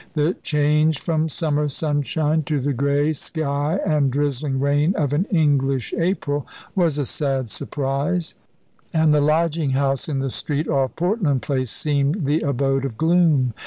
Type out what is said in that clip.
The change from summer sunshine to the grey sky and drizzling rain of an English April was a sad surprise; and the lodging house in the street off Portland Place seemed the abode of gloom.